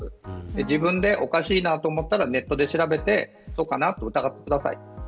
自分でおかしいと思ったらネットで調べてそうかなと疑ってください。